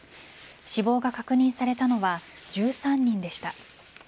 死亡が確認されたのは１３人でした。